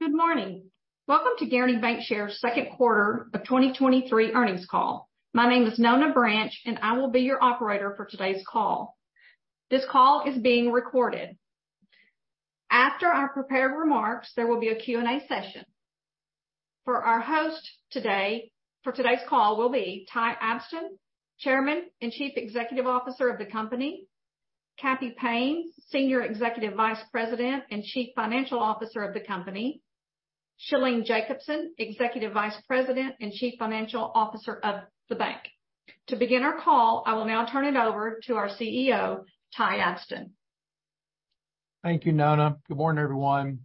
Good morning. Welcome to Guaranty Bancshares Second Quarter of 2023 earnings call. My name is Nona Branch, and I will be your operator for today's call. This call is being recorded. After our prepared remarks, there will be a Q&A session. For today's call will be Ty Abston, Chairman and Chief Executive Officer of the company, Cappy Payne, Senior Executive Vice President and Chief Financial Officer of the company, Shalene Jacobson, Executive Vice President and Chief Financial Officer of the bank. To begin our call, I will now turn it over to our CEO, Ty Abston. Thank you, Nona. Good morning, everyone,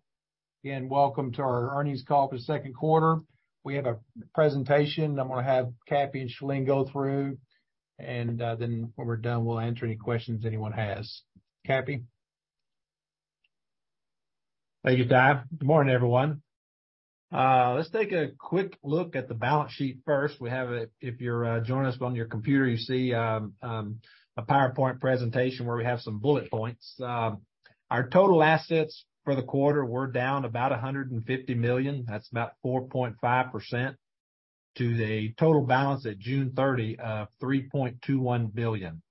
and welcome to our earnings call for the second quarter. We have a presentation I'm gonna have Cappy and Shalene go through, and then when we're done, we'll answer any questions anyone has. Cappy? Thank you, Ty. Good morning, everyone. Let's take a quick look at the balance sheet first. We have if you're joining us on your computer, you see a PowerPoint presentation where we have some bullet points. Our total assets for the quarter were down about $150 million. That's about 4.5% to the total balance at June 30 of $3.21 billion.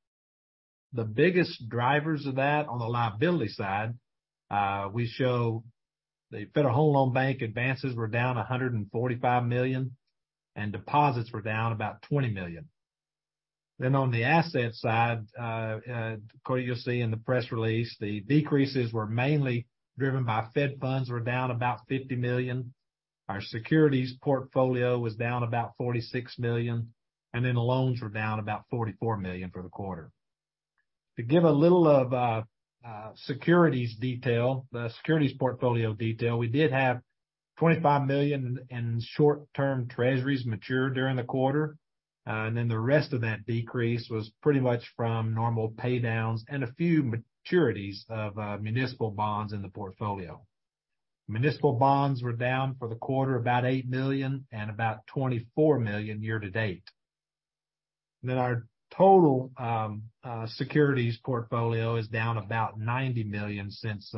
The biggest drivers of that on the liability side, we show the Federal Home Loan Bank advances were down $145 million, and deposits were down about $20 million. On the asset side, you'll see in the press release, the decreases were mainly driven by Fed Funds, were down about $50 million. Our securities portfolio was down about $46 million, and then the loans were down about $44 million for the quarter. To give a little of securities portfolio detail, we did have $25 million in short-term Treasuries mature during the quarter, and then the rest of that decrease was pretty much from normal pay downs and a few maturities of municipal bonds in the portfolio. Municipal bonds were down for the quarter, about $8 million and about $24 million year-to-date. Our total securities portfolio is down about $90 million since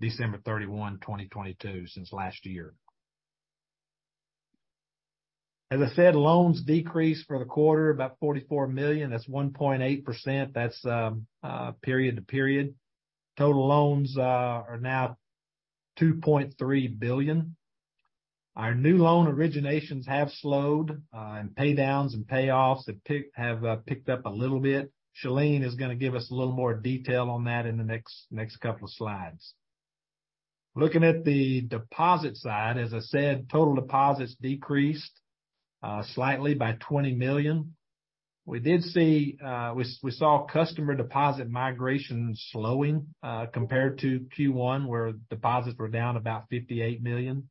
December 31, 2022, since last year. As I said, loans decreased for the quarter, about $44 million. That's 1.8%. That's period-to-period. Total loans are now $2.3 billion. Our new loan originations have slowed, and pay downs and payoffs have picked up a little bit. Shalene is gonna give us a little more detail on that in the next couple of slides. Looking at the deposit side, as I said, total deposits decreased slightly by $20 million. We did see customer deposit migration slowing, compared to Q1, where deposits were down about $58 million.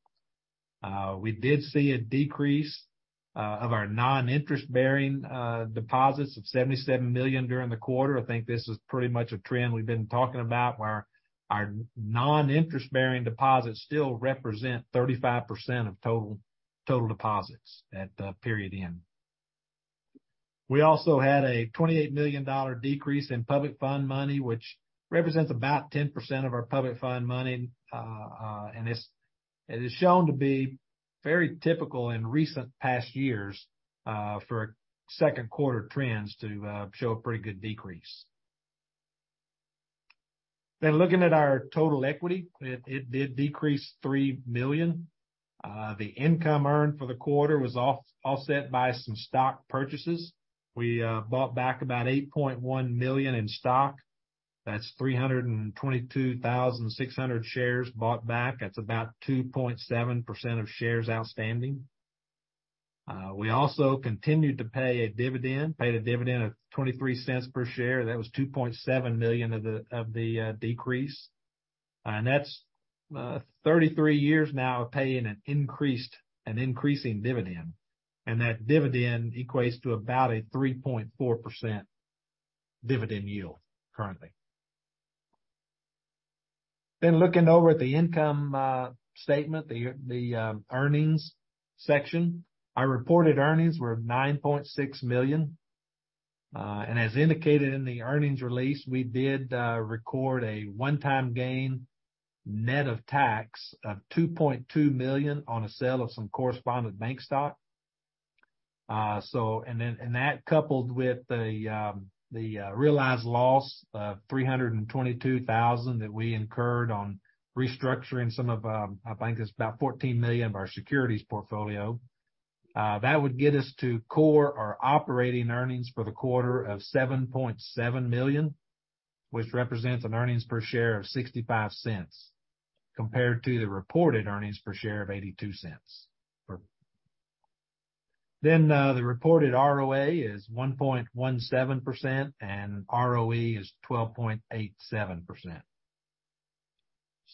We did see a decrease of our non-interest bearing deposits of $77 million during the quarter. I think this is pretty much a trend we've been talking about, where our non-interest bearing deposits still represent 35% of total deposits at the period end. We also had a $28 million decrease in public fund money, which represents about 10% of our public fund money. It is shown to be very typical in recent past years for second quarter trends to show a pretty good decrease. Looking at our total equity, it did decrease $3 million. The income earned for the quarter was offset by some stock purchases. We bought back about $8.1 million in stock. That's 322,600 shares bought back. That's about 2.7% of shares outstanding. We also continued to pay a dividend. Paid a dividend of $0.23 per share. That was $2.7 million of the decrease, and that's 33 years now of paying an increased, an increasing dividend. That dividend equates to about a 3.4% dividend yield currently. Looking over at the income statement, the earnings section, our reported earnings were $9.6 million. As indicated in the earnings release, we did record a one-time gain, net of tax of $2.2 million on a sale of some correspondent bank stock. That coupled with the realized loss of $322,000 that we incurred on restructuring some of, I think it's about $14 million of our securities portfolio. That would get us to core our operating earnings for the quarter of $7.7 million, which represents an earnings per share of $0.65, compared to the reported earnings per share of $0.82. The reported ROA is 1.17% and ROE is 12.87%.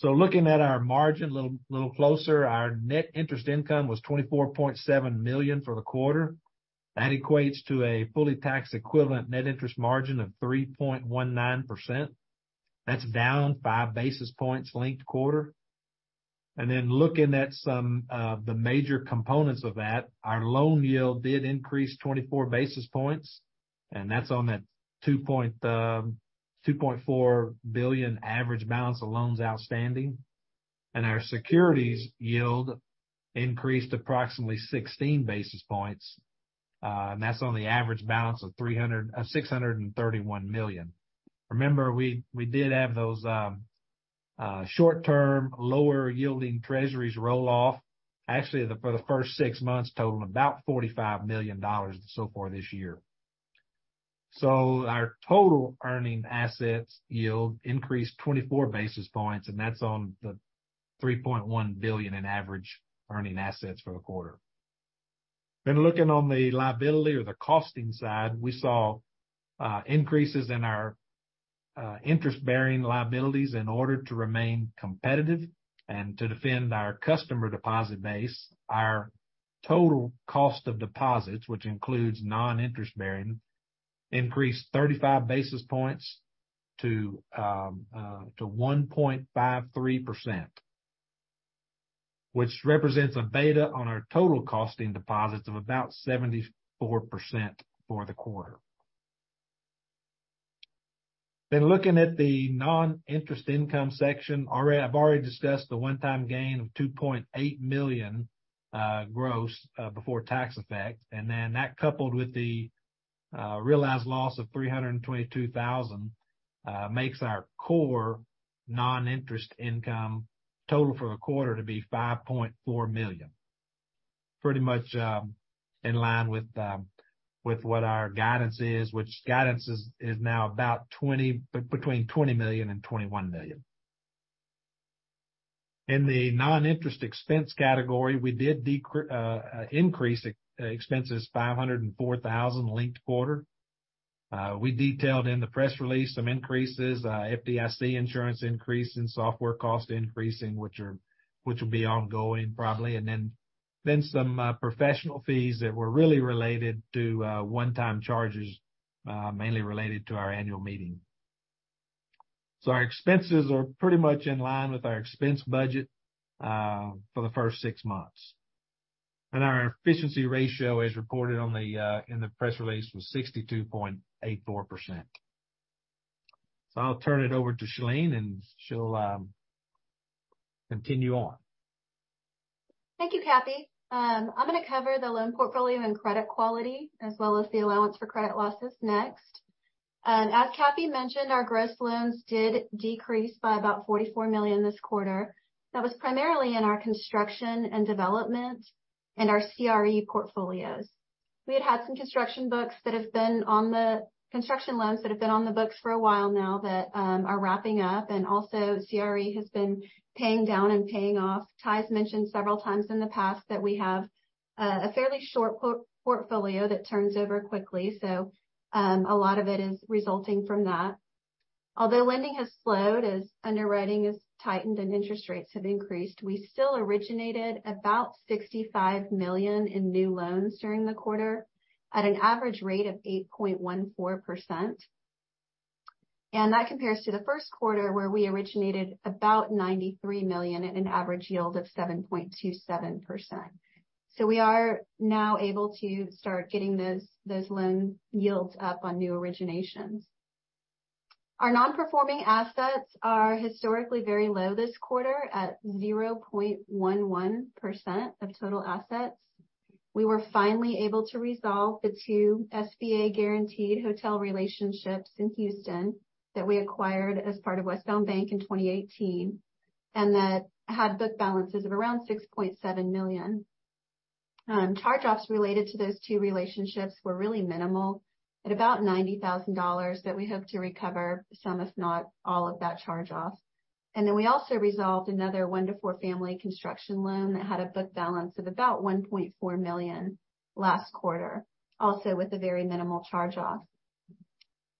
Looking at our margin little closer, our net interest income was $24.7 million for the quarter. That equates to a fully tax equivalent net interest margin of 3.19%. That's down 5 basis points linked quarter. Looking at some, the major components of that, our loan yield did increase 24 basis points, and that's on that $2.4 billion average balance of loans outstanding. Our securities yield increased approximately 16 basis points, and that's on the average balance of $631 million. Remember, we did have those short-term, lower-yielding treasuries roll off. Actually, the, for the first six months, totaled about $45 million so far this year. Our total earning assets yield increased 24 basis points, and that's on the $3.1 billion in average earning assets for the quarter. Looking on the liability or the costing side, we saw increases in our interest-bearing liabilities in order to remain competitive and to defend our customer deposit base. Our total cost of deposits, which includes non-interest bearing, increased 35 basis points to 1.53%, which represents a beta on our total costing deposits of about 74% for the quarter. Looking at the non-interest income section, I've already discussed the one-time gain of $2.8 million gross before tax effect, and then that, coupled with the realized loss of $322,000, makes our core non-interest income total for the quarter to be $5.4 million. Pretty much in line with what our guidance is, which guidance is now about between $20 million and $21 million. In the non-interest expense category, we did increase expenses $504 thousand linked quarter. We detailed in the press release some increases, FDIC insurance increase and software cost increasing, which are, which will be ongoing, probably. Then some professional fees that were really related to one-time charges, mainly related to our annual meeting. Our expenses are pretty much in line with our expense budget for the first six months. Our efficiency ratio is reported on the, in the press release, was 62.84%. I'll turn it over to Shalene, and she'll continue on. Thank you, Cappy. I'm gonna cover the loan portfolio and credit quality, as well as the allowance for credit losses next. As Cappy mentioned, our gross loans did decrease by about $44 million this quarter. That was primarily in our construction and development and our CRE portfolios. We had some construction loans that have been on the books for a while now, that are wrapping up, and also CRE has been paying down and paying off. Ty has mentioned several times in the past that we have a fairly short portfolio that turns over quickly, so a lot of it is resulting from that. Although lending has slowed as underwriting has tightened and interest rates have increased, we still originated about $65 million in new loans during the quarter at an average rate of 8.14%. That compares to the first quarter, where we originated about $93 million at an average yield of 7.27%. We are now able to start getting those loan yields up on new originations. Our non-performing assets are historically very low this quarter, at 0.11% of total assets. We were finally able to resolve the two SBA-guaranteed hotel relationships in Houston that we acquired as part of Westbound Bank in 2018, and that had book balances of around $6.7 million. Charge-offs related to those two relationships were really minimal, at about $90,000, that we hope to recover some, if not all, of that charge-off. We also resolved another one to four family construction loan that had a book balance of about $1.4 million last quarter, also with a very minimal charge-off.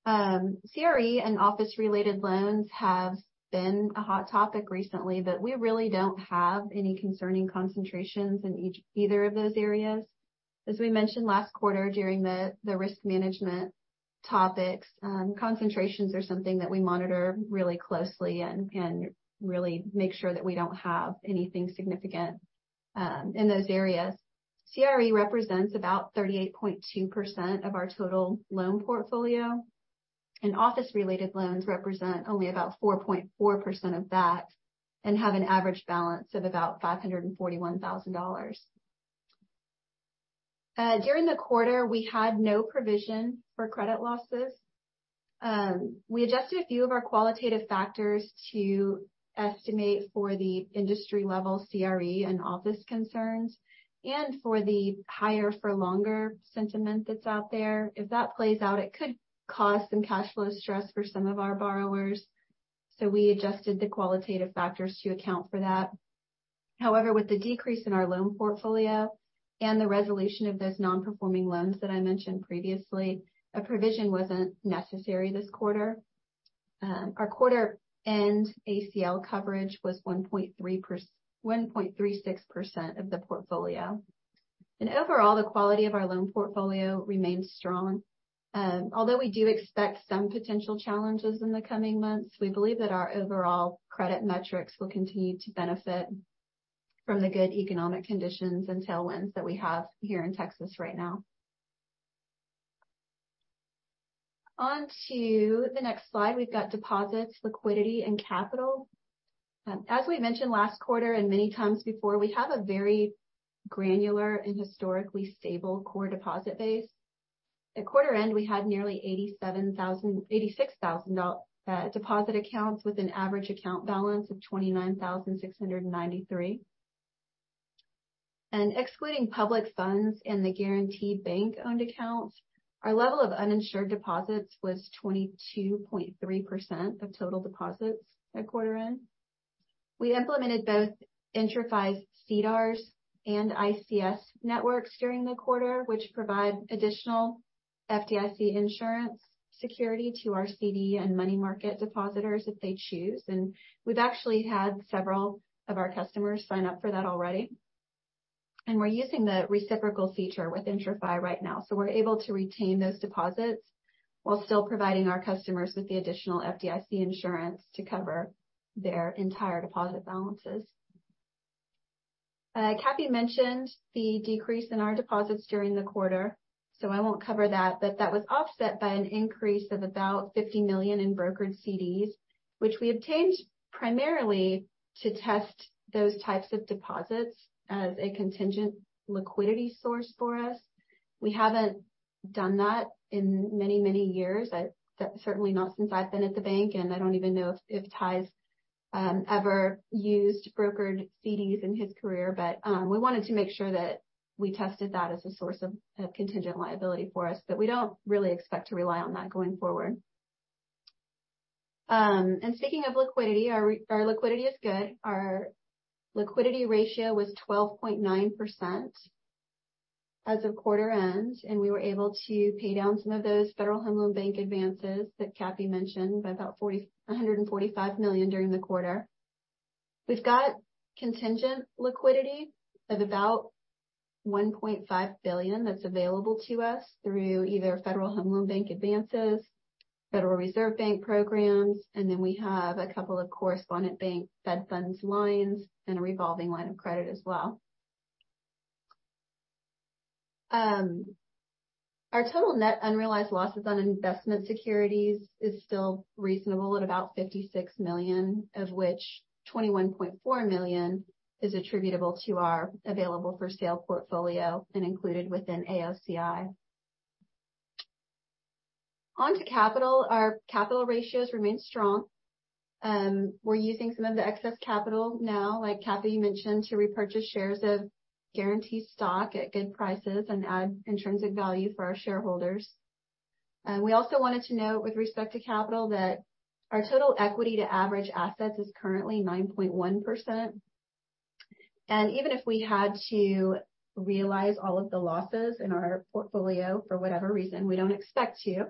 CRE and office-related loans have been a hot topic recently, but we really don't have any concerning concentrations in either of those areas. As we mentioned last quarter during the risk management topics, concentrations are something that we monitor really closely and really make sure that we don't have anything significant in those areas. CRE represents about 38.2% of our total loan portfolio. Office-related loans represent only about 4.4% of that and have an average balance of about $541 thousand. During the quarter, we had no provision for credit losses. We adjusted a few of our qualitative factors to estimate for the industry level CRE and office concerns and for the higher for longer sentiment that's out there. If that plays out, it could cause some cash flow stress for some of our borrowers. We adjusted the qualitative factors to account for that. However, with the decrease in our loan portfolio and the resolution of those non-performing loans that I mentioned previously, a provision wasn't necessary this quarter. Our quarter-end ACL coverage was 1.36% of the portfolio. Overall, the quality of our loan portfolio remains strong. Although we do expect some potential challenges in the coming months, we believe that our overall credit metrics will continue to benefit from the good economic conditions and tailwinds that we have here in Texas right now. On to the next slide, we've got deposits, liquidity, and capital. As we mentioned last quarter and many times before, we have a very granular and historically stable core deposit base. At quarter end, we had nearly 86,000 deposit accounts with an average account balance of $29,693. Excluding public funds and the Guaranty Bank-owned accounts, our level of uninsured deposits was 22.3% of total deposits at quarter end. We implemented both IntraFi CDARS and ICS networks during the quarter, which provide additional FDIC insurance security to our CD and money market depositors if they choose. We've actually had several of our customers sign up for that already. We're using the reciprocal feature with IntraFi right now, so we're able to retain those deposits while still providing our customers with the additional FDIC insurance to cover their entire deposit balances. Cappy mentioned the decrease in our deposits during the quarter, so I won't cover that. That was offset by an increase of about $50 million in brokered CDs, which we obtained primarily to test those types of deposits as a contingent liquidity source for us. We haven't done that in many, many years. Certainly not since I've been at the bank, and I don't even know if Ty's ever used brokered CDs in his career. We wanted to make sure that we tested that as a source of contingent liability for us. We don't really expect to rely on that going forward. Speaking of liquidity, our liquidity is good. Our liquidity ratio was 12.9% as of quarter end, and we were able to pay down some of those Federal Home Loan Bank advances that Cappy Payne mentioned by about $145 million during the quarter. We've got contingent liquidity of about $1.5 billion that's available to us through either Federal Home Loan Bank advances, Federal Reserve Bank programs, we have a couple of correspondent bank Fed Funds lines and a revolving line of credit as well. Our total net unrealized losses on investment securities is still reasonable, at about $56 million, of which $21.4 million is attributable to our available-for-sale portfolio and included within AOCI. On to capital. Our capital ratios remain strong. We're using some of the excess capital now, like Cappy mentioned, to repurchase shares of Guaranty stock at good prices and add intrinsic value for our shareholders. We also wanted to note, with respect to capital, that our total equity to average assets is currently 9.1%. Even if we had to realize all of the losses in our portfolio, for whatever reason, we don't expect to,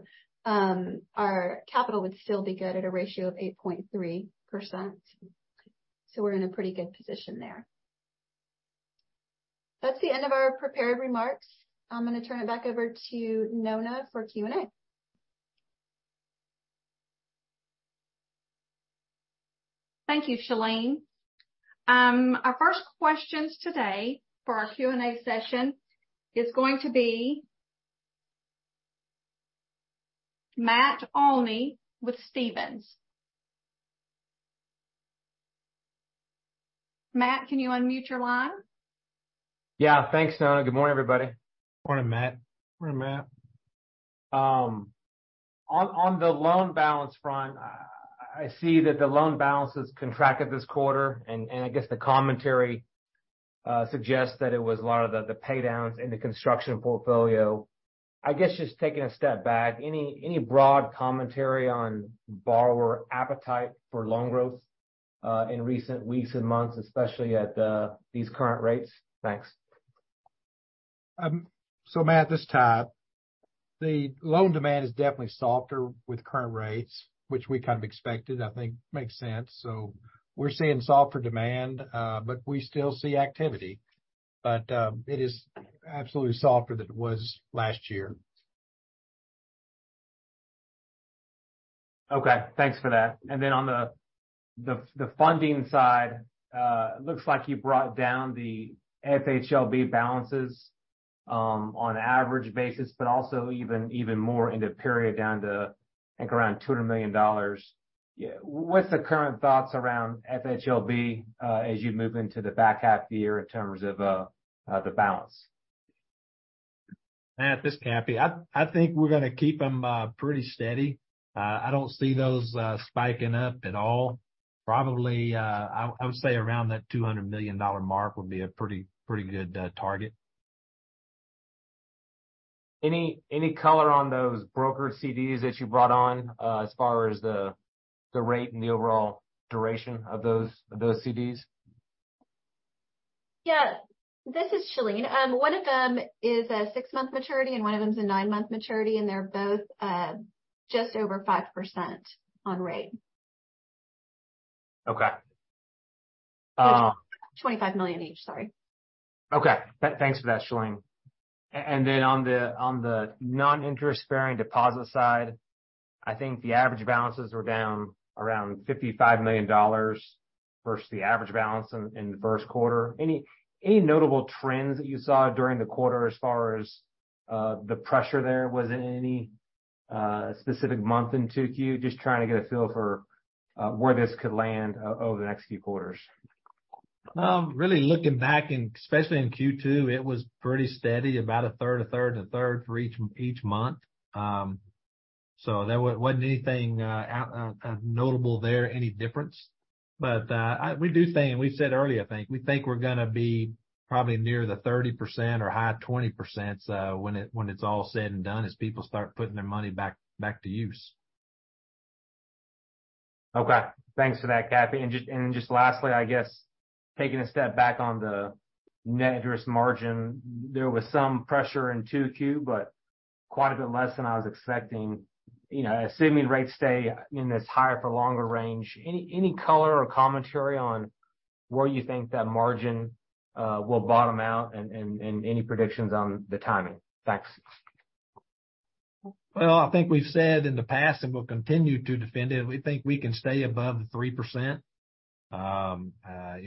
our capital would still be good at a ratio of 8.3%. We're in a pretty good position there. That's the end of our prepared remarks. I'm gonna turn it back over to Nona for Q&A. Thank you, Shalene. Our first questions today for our Q&A session is going to be... Matt Olney with Stephens. Matt, can you unmute your line? Yeah. Thanks, Nona. Good morning, everybody. Morning, Matt. Morning, Matt. On the loan balance front, I see that the loan balances contracted this quarter, and I guess the commentary suggests that it was a lot of the pay downs in the construction portfolio. I guess just taking a step back, any broad commentary on borrower appetite for loan growth in recent weeks and months, especially at these current rates? Thanks. Matt, this is Ty. The loan demand is definitely softer with current rates, which we kind of expected. I think makes sense. We're seeing softer demand, but we still see activity. It is absolutely softer than it was last year. Okay, thanks for that. On the funding side, it looks like you brought down the FHLB balances on average basis, but also even more in the period, down to, I think, around $200 million. Yeah. What's the current thoughts around FHLB as you move into the back half of the year in terms of the balance? Matt, this is Cappy Payne. I think we're gonna keep them pretty steady. I don't see those spiking up at all. Probably, I would say around that $200 million mark would be a pretty good target. Any color on those brokered CDs that you brought on, as far as the rate and the overall duration of those CDs? Yeah. This is Shalene. One of them is a 6-month maturity, one of them is a 9-month maturity, they're both just over 5% on rate. Okay. $25 million each, sorry. Okay, thanks for that, Shalene. On the, on the non-interest-bearing deposit side, I think the average balances were down around $55 million versus the average balance in the first quarter. Any notable trends that you saw during the quarter as far as the pressure there? Was it any specific month in 2Q? Just trying to get a feel for where this could land over the next few quarters. Really looking back, and especially in Q2, it was pretty steady, about a third, a third, and a third for each month. There wasn't anything notable there, any difference. We do think, and we said earlier, I think, we think we're gonna be probably near the 30% or high 20%, when it's all said and done, as people start putting their money back to use. Okay, thanks for that, Cappy. Just lastly, I guess, taking a step back on the net interest margin, there was some pressure in 2Q, but quite a bit less than I was expecting. You know, assuming rates stay in this higher for longer range, any color or commentary on where you think that margin will bottom out, and any predictions on the timing? Thanks. Well, I think we've said in the past, and we'll continue to defend it, we think we can stay above the 3%. you know,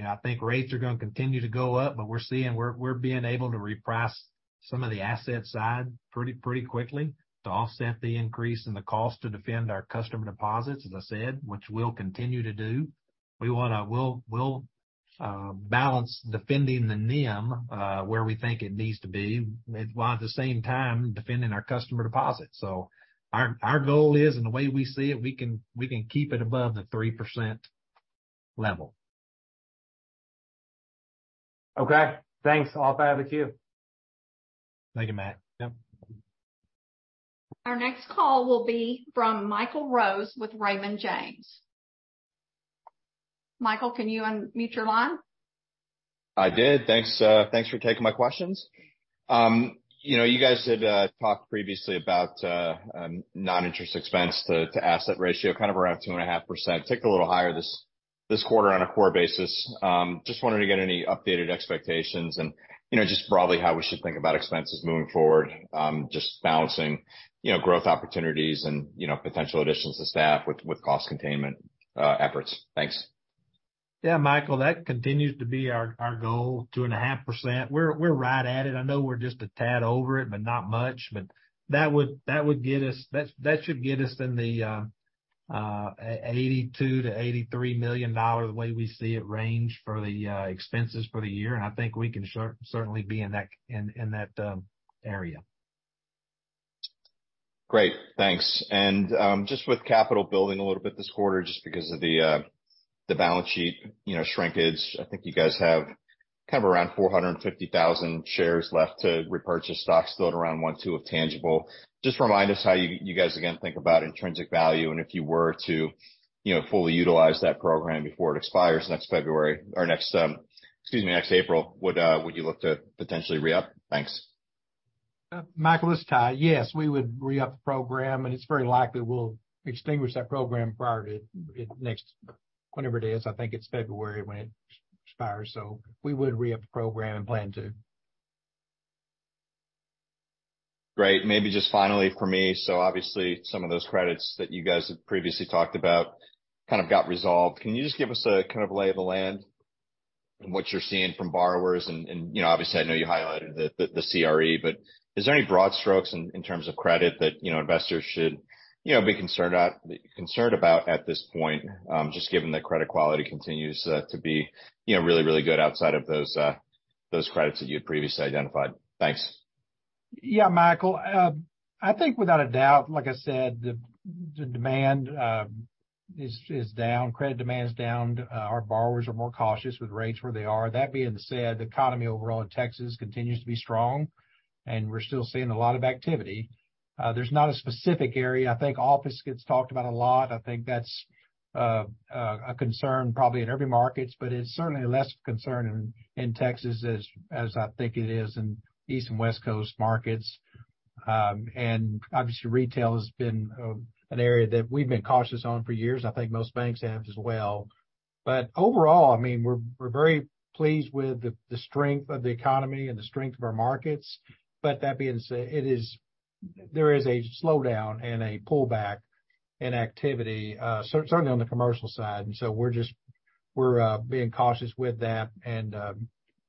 I think rates are gonna continue to go up, but we're being able to reprice some of the asset side pretty quickly to offset the increase in the cost to defend our customer deposits, as I said, which we'll continue to do. We'll balance defending the NIM, where we think it needs to be, while at the same time defending our customer deposits. Our goal is, and the way we see it, we can, we can keep it above the 3% level. Okay. Thanks. I'll back to you. Thank you, Matt. Yep. Our next call will be from Michael Rose with Raymond James. Michael, can you unmute your line? I did. Thanks, thanks for taking my questions. You know, you guys had talked previously about non-interest expense to asset ratio, kind of around 2.5%. Ticked a little higher this quarter on a core basis. Just wanted to get any updated expectations and, you know, just broadly how we should think about expenses moving forward, just balancing, you know, growth opportunities and, you know, potential additions to staff with cost containment efforts. Thanks. Yeah, Michael, that continues to be our goal, 2.5%. We're right at it. I know we're just a tad over it, not much. That would get us that should get us in the $82 million-$83 million range for the expenses for the year. I think we can certainly be in that area. Great, thanks. Just with capital building a little bit this quarter, just because of the balance sheet, you know, shrinkage, I think you guys have kind of around 450,000 shares left to repurchase stocks still at around 1.2 of tangible. Just remind us how you guys, again, think about intrinsic value, and if you were to, you know, fully utilize that program before it expires next February or next, excuse me, next April, would you look to potentially re-up? Thanks. Michael Rose, this is Ty. Yes, we would re-up the program. It's very likely we'll extinguish that program prior to it next, whenever it is. I think it's February when it expires. We would re-up the program and plan to. Great. Maybe just finally for me, obviously some of those credits that you guys have previously talked about kind of got resolved. Can you just give us a kind of lay of the land on what you're seeing from borrowers? You know, obviously, I know you highlighted the CRE, but is there any broad strokes in terms of credit that, you know, investors should, you know, be concerned about at this point, just given that credit quality continues to be, you know, really good outside of those credits that you had previously identified? Thanks. Michael, I think without a doubt, like I said, the demand is down. Credit demand is down. Our borrowers are more cautious with rates where they are. That being said, the economy overall in Texas continues to be strong, and we're still seeing a lot of activity. There's not a specific area. I think office gets talked about a lot. I think that's a concern probably in every markets, but it's certainly less of a concern in Texas as I think it is in East and West Coast markets. Obviously, retail has been an area that we've been cautious on for years. I think most banks have as well. Overall, I mean, we're very pleased with the strength of the economy and the strength of our markets. That being said, there is a slowdown and a pullback in activity, certainly on the commercial side, we're being cautious with that.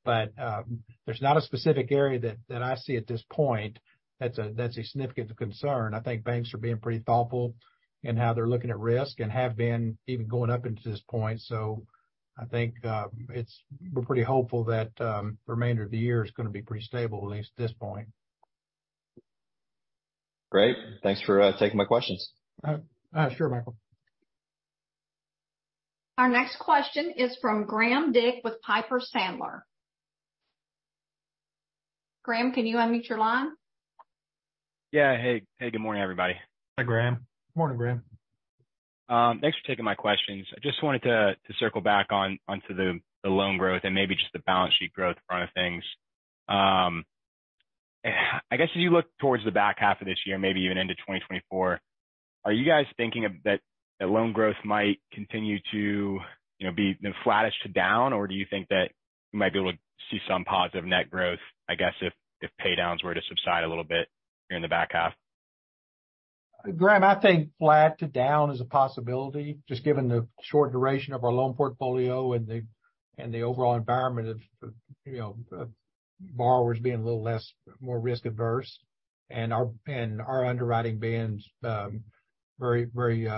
There's not a specific area that I see at this point that's a significant concern. I think banks are being pretty thoughtful in how they're looking at risk and have been even going up until this point. I think, we're pretty hopeful that the remainder of the year is gonna be pretty stable, at least at this point. Great. Thanks for taking my questions. Sure, Michael. Our next question is from Graham Dick with Piper Sandler. Graham, can you unmute your line? Yeah. Hey, hey, good morning, everybody. Hi, Graham. Good morning, Graham. thanks for taking my questions. I just wanted to circle back onto the loan growth and maybe just the balance sheet growth front of things.... I guess, as you look towards the back half of this year, maybe even into 2024, are you guys thinking that loan growth might continue to, you know, be flattish to down? Or do you think that you might be able to see some positive net growth, I guess, if pay downs were to subside a little bit during the back half? Graham, I think flat to down is a possibility, just given the short duration of our loan portfolio and the overall environment of, you know, borrowers being a little less, more risk averse, and our underwriting being very, very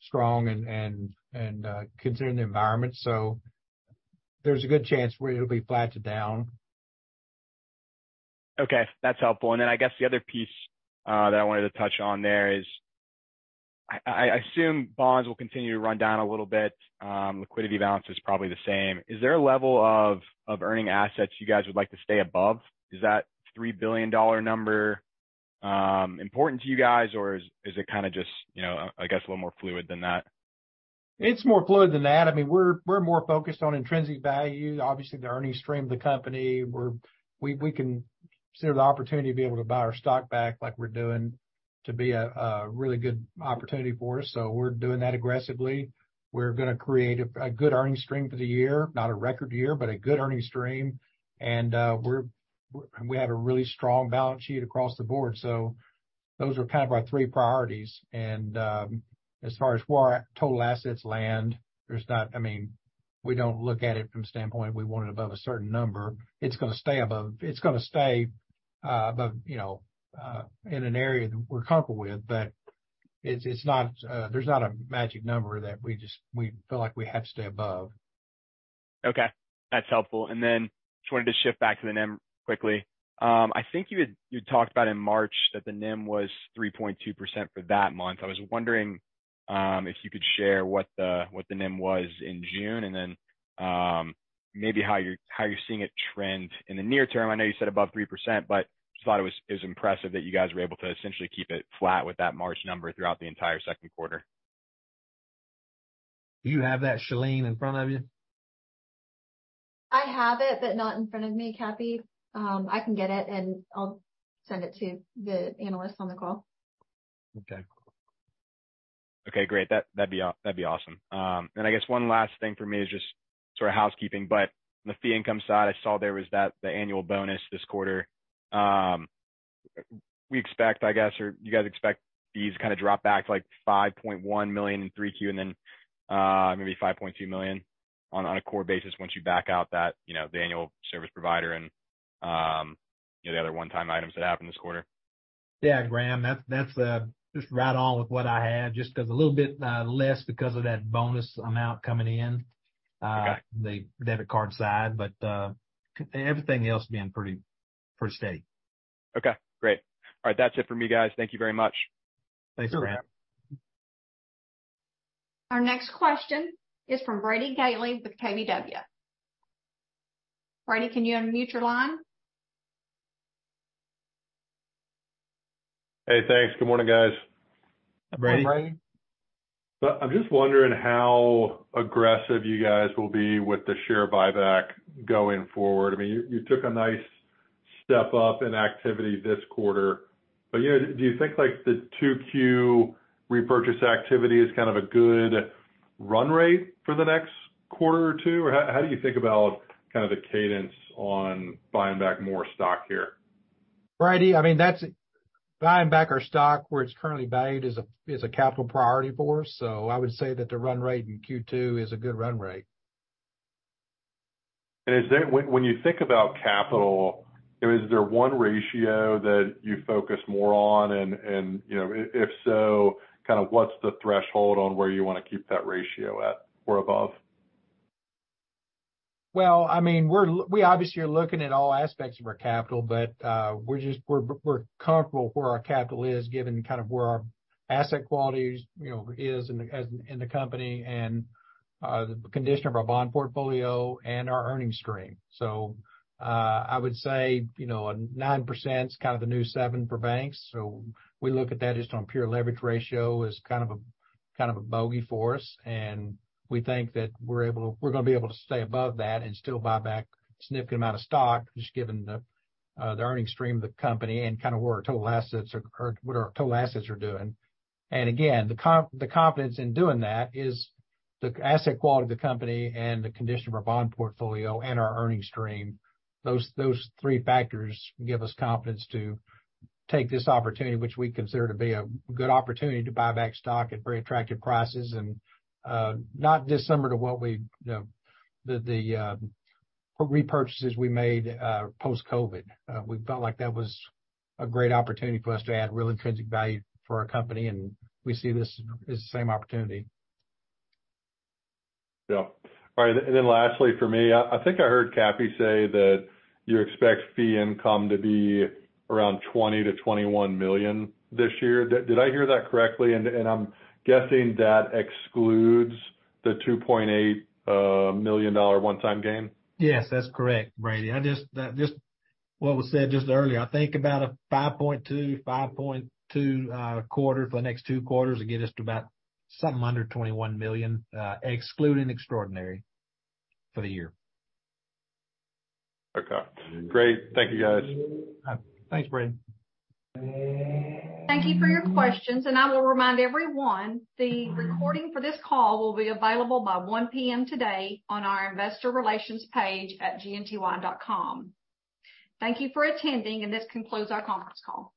strong and considering the environment. There's a good chance where it'll be flat to down. Okay, that's helpful. I guess the other piece, that I wanted to touch on there is, I assume bonds will continue to run down a little bit. liquidity balance is probably the same. Is there a level of earning assets you guys would like to stay above? Is that $3 billion number, important to you guys, or is it kind of just, I guess, a little more fluid than that? It's more fluid than that. I mean, we're more focused on intrinsic value. Obviously, the earnings stream of the company, we can consider the opportunity to be able to buy our stock back like we're doing, to be a really good opportunity for us. We're doing that aggressively. We're gonna create a good earnings stream for the year. Not a record year, but a good earnings stream. We have a really strong balance sheet across the board. Those are kind of our three priorities. As far as where our total assets land, there's I mean, we don't look at it from a standpoint of we want it above a certain number. It's gonna stay above. It's gonna stay above, you know, in an area that we're comfortable with, but it's not. there's not a magic number that we just, we feel like we have to stay above. Okay, that's helpful. Just wanted to shift back to the NIM quickly. I think you talked about in March that the NIM was 3.2% for that month. I was wondering, if you could share what the, what the NIM was in June, and then, maybe how you're, how you're seeing it trend in the near term. I know you said above 3%, but just thought it was, it was impressive that you guys were able to essentially keep it flat with that March number throughout the entire second quarter. Do you have that, Shalene, in front of you? I have it, but not in front of me, Cappy. I can get it, and I'll send it to the analysts on the call. Okay. Okay, great. That'd be awesome. I guess one last thing for me is just sort of housekeeping, but on the fee income side, I saw there was that, the annual bonus this quarter. We expect, I guess, or you guys expect fees to kind of drop back to like $5.1 million in 3Q, and then maybe $5.2 million on a core basis once you back out that, you know, the annual service provider and the other one-time items that happened this quarter. Yeah, Graham, that's just right on with what I had, just because a little bit, less because of that bonus amount coming in- Okay... the debit card side, but, everything else being pretty steady. Okay, great. All right. That's it for me, guys. Thank you very much. Thanks, Graham. Our next question is from Brady Gailey with KBW. Brady, can you unmute your line? Hey, thanks. Good morning, guys. Hi, Brady. Hi, Brady. I'm just wondering how aggressive you guys will be with the share buyback going forward? I mean, you took a nice step up in activity this quarter, but, you know, do you think, like, the 2Q repurchase activity is kind of a good run rate for the next quarter or two? How do you think about kind of the cadence on buying back more stock here? Brady, I mean, buying back our stock where it's currently valued is a capital priority for us, so I would say that the run rate in Q2 is a good run rate. Is there when you think about capital, I mean, is there one ratio that you focus more on? You know, if so, kind of what's the threshold on where you want to keep that ratio at or above? Well, I mean, we obviously are looking at all aspects of our capital, but we're comfortable where our capital is, given kind of where our asset quality, you know, is in the company and the condition of our bond portfolio and our earnings stream. I would say, you know, 9% is kind of a new seven for banks. We look at that just on pure leverage ratio as kind of a bogey for us, and we think that we're gonna be able to stay above that and still buy back a significant amount of stock, just given the earnings stream of the company and kind of where our total assets are, or what our total assets are doing. Again, the confidence in doing that is the asset quality of the company and the condition of our bond portfolio and our earnings stream. Those three factors give us confidence to take this opportunity, which we consider to be a good opportunity, to buy back stock at very attractive prices and not dissimilar to what we, the repurchases we made post-COVID. We felt like that was a great opportunity for us to add real intrinsic value for our company, and we see this as the same opportunity. Yeah. All right, then lastly, for me, I think I heard Cappy say that you expect fee income to be around $20 million-$21 million this year. Did I hear that correctly? And I'm guessing that excludes the $2.8 million one-time gain. Yes, that's correct, Brady Gailey. That just what was said just earlier, I think about a 5.2 quarter for the next 2 quarters will get us to about something under $21 million, excluding extraordinary for the year. Okay, great. Thank you, guys. Thanks, Brady. Thank you for your questions. I will remind everyone, the recording for this call will be available by 1:00 P.M. today on our investor relations page at gnty.com. Thank you for attending. This concludes our conference call.